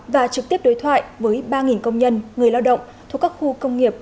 và trực tiếp đối thoại với ba công nhân người lao động thuộc các khu công nghiệp